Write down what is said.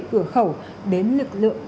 cửa khẩu đến lực lượng